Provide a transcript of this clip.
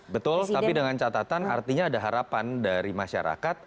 betul tapi dengan catatan artinya ada harapan dari masyarakat